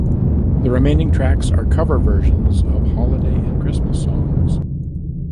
The remaining tracks are cover versions of holiday and Christmas songs.